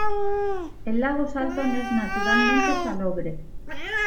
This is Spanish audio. El lago Salton es naturalmente salobre.